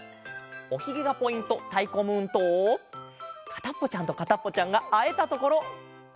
おひげがポイント「たいこムーン」と「かたっぽちゃんとかたっぽちゃん」があえたところ！